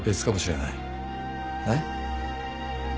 えっ？